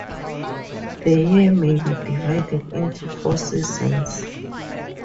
The year may be divided into four seasons.